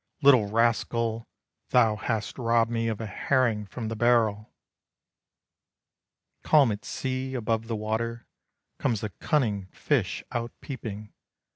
Little rascal, thou hast robbed me Of a herring from the barrel." Calm at sea! above the water comes a cunning fish out peeping.